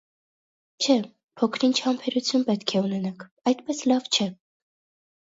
- Չէ՛, փոքր-ինչ համբերություն պետք է ունենաք, այդպես լավ չէ: